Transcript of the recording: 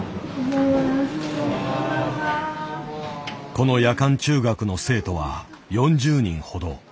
この夜間中学の生徒は４０人ほど。